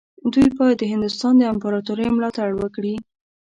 دوی باید د هندوستان د امپراطورۍ ملاتړ وکړي.